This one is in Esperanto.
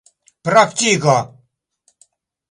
praktiko